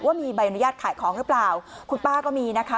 ว่ามีใบอนุญาตขายของหรือเปล่าคุณป้าก็มีนะคะ